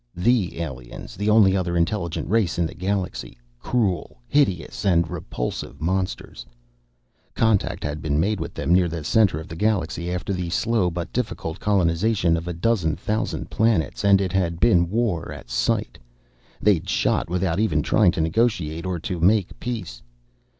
The aliens, the only other intelligent race in the Galaxy ... cruel, hideous and repulsive monsters. Contact had been made with them near the center of the Galaxy, after the slow, difficult colonization of a dozen thousand planets; and it had been war at sight; they'd shot without even trying to negotiate, or to make peace.